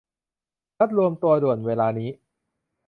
นัดรวมตัวด่วน ! เวลานี้ !